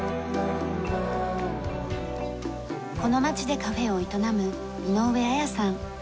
この町でカフェを営む井上あやさん。